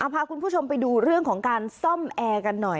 พาคุณผู้ชมไปดูเรื่องของการซ่อมแอร์กันหน่อย